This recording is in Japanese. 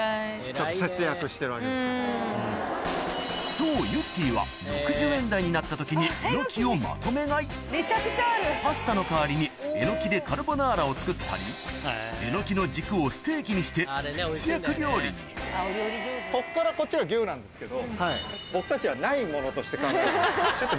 そうゆってぃはパスタの代わりにえのきでカルボナーラを作ったりえのきの軸をステーキにして節約料理にこっからこっちが牛なんですけど。